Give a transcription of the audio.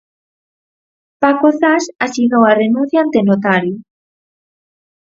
Paco Zas asinou a renuncia ante notario.